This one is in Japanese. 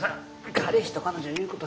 彼氏と彼女の言うこと